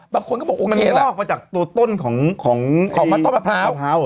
บางคนก็บอกโอเคแหละออกมาจากตัวต้นของวัดต้นมะพร้าว